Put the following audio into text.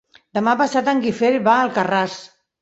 Demà passat en Guifré va a Alcarràs.